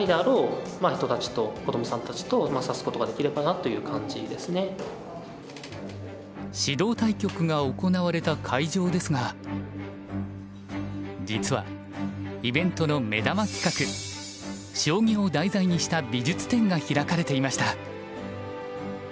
こういったときに指導対局が行われた会場ですが実はイベントの目玉企画将棋を題材にした美術展が開かれていました。